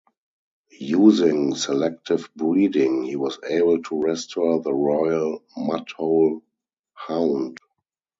Using selective breeding, he was able to restore the royal Mudhol hound.